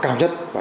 cảm ơn các ông chí